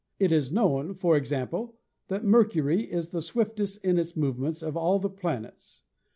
It is known, for example, that Mercury is the 130 ASTRONOMY swiftest in its movements of all the planets.